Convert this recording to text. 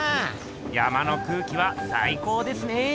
山の空気はさい高ですね。